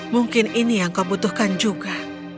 mungkin ini yang kau butuhkan juga